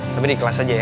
tapi di kelas aja ya